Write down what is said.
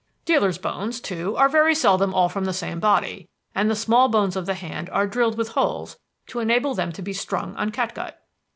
Dealers' bones, too, are very seldom all from the same body; and the small bones of the hand are drilled with holes to enable them to be strung on catgut.